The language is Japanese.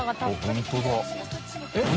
△本当だ何？